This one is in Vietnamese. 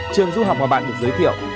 bốn trường du học mà bạn được giới thiệu